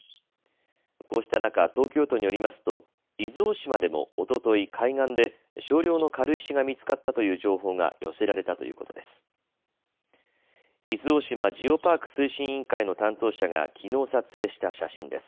こうした中、東京都によりますと伊豆大島でもおととい海岸で少量の軽石が見つかったという情報が寄せられたということです。